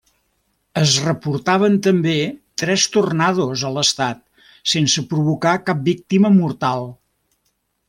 Es reportaven també tres tornados a l'estat sense provocar cap víctima mortal.